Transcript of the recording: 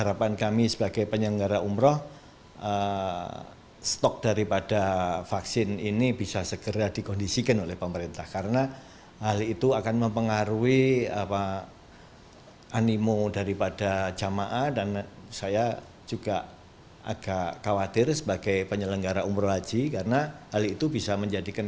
agak khawatir sebagai penyelenggara umroh haji karena hal itu bisa menjadikan